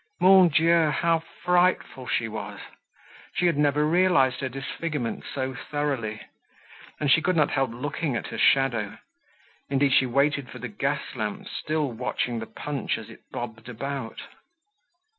Mon Dieu! how frightful she was! She had never realised her disfigurement so thoroughly. And she could not help looking at her shadow; indeed, she waited for the gas lamps, still watching the Punch as it bobbed about.